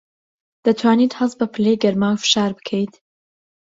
دەتوانیت هەست بە پلەی گەرما و فشار بکەیت؟